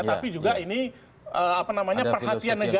tapi juga ini apa namanya perhatian negara